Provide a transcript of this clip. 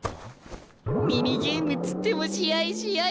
ミニゲームっつっても試合試合。